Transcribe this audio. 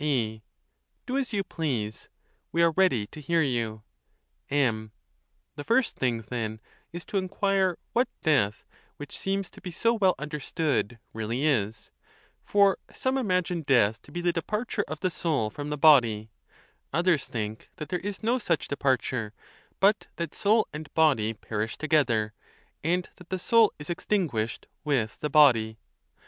' A, Do as you please: we are ready to hear you. M. The first thing, then, is to inquire what death, which seems to be so well understood, really is; for some imag ine death to be the departure of the soul from the body; ON THE CONTEMPT OF DEATH. 17 others think that there is no such departure, but that soul and body perish together, and that the soul is extinguished with the body.